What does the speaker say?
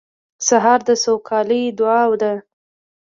سهار د سوکالۍ دعا ده.